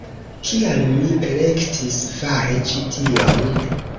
Kial mi elektis fari ĉi tion?